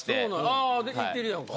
ああ行ってるやんか。